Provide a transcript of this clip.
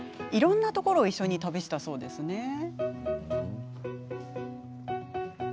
いろんなところを一緒に旅したそうですね。